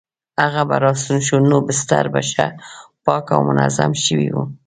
هغه به راستون شو نو بستر به ښه پاک او منظم شوی وو.